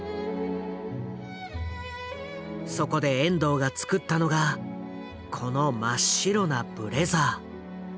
そこで遠藤が作ったのがこの真っ白なブレザー。